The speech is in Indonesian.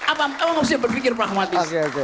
apa apa yang berpikir pragmatis